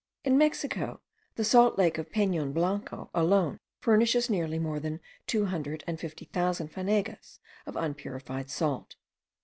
In Mexico, the salt lake of Penon Blanco alone furnishes yearly more than two hundred and fifty thousand fanegas of unpurified salt.